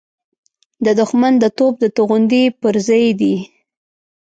د دښمن د توپ د توغندۍ پرزې دي.